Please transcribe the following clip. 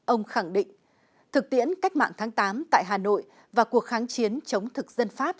ông khẳng định thực tiễn cách mạng tháng tám tại hà nội và cuộc kháng chiến chống thực dân pháp